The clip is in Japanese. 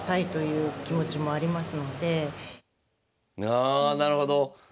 ああなるほど。